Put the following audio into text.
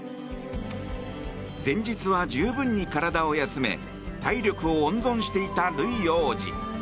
前日は十分に体を休め体力を温存していたルイ王子。